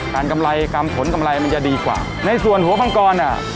กำไรกรรมผลกำไรมันจะดีกว่าในส่วนหัวมังกรอ่ะ